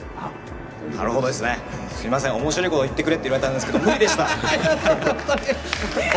なるほど、すいませんおもしろいこと言ってくれって言われたんですけど無理でした。